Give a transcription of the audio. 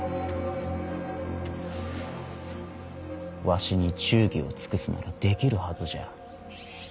わしに忠義を尽くすならできるはずじゃ。